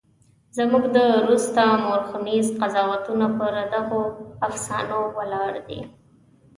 زموږ د وروسته مورخینو قضاوتونه پر دغو افسانو ولاړ دي.